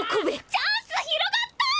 チャンス広がった！